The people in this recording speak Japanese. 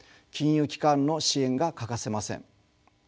金融機関の支援が欠かせません。